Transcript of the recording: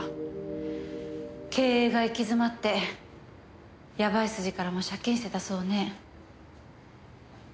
経営が行き詰まってやばい筋からも借金してたそうね。